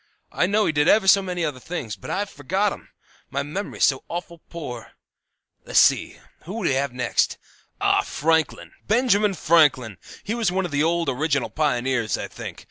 I know he did ever so many other things, but I've forgot 'em; my memory's so awful poor. "Less see! Who have we next? Ah, Franklin! Benjamin Franklin! He was one of the old original pioneers, I think.